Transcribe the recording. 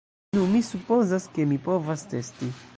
Nu, mi supozas, ke mi povas testi